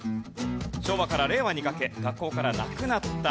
昭和から令和にかけ学校からなくなった